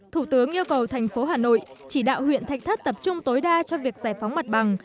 thủ tướng yêu cầu thành phố hà nội chỉ đạo huyện thạch thất tập trung tối đa cho việc giải phóng mặt bằng